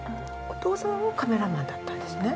お父さんもカメラマンだったんですね？